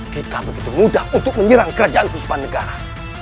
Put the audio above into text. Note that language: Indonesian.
kita begitu mudah untuk menyerang kerajaan puspanegara